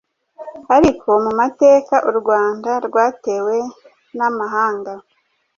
ariho mu mateka u Rwanda rwatewe n’amahanga